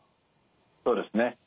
そうですね。